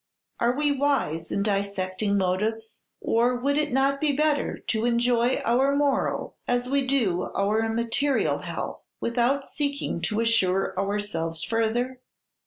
are we wise in dissecting motives? or would it not be better to enjoy our moral as we do our material health, without seeking to assure ourselves further?